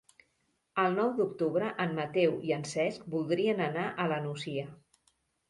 El nou d'octubre en Mateu i en Cesc voldrien anar a la Nucia.